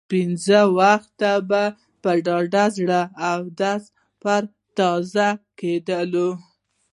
پنځه وخته به په ډاډه زړه اودس پرې تازه کېدلو.